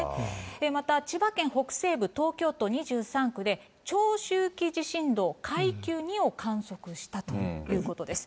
また千葉県北西部、東京都２３区で、長周期地震動階級２を観測したということです。